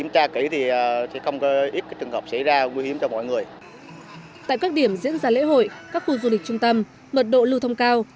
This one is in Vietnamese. tại các điểm diễn ra lễ hội các khu du lịch trung tâm mật độ lưu thông cao